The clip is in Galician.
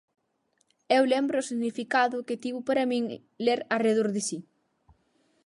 Eu lembro o significado que tivo para min ler Arredor de si.